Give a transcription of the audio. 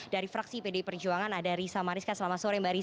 dari fraksi pdi perjuangan ada risa mariska selamat sore mbak risa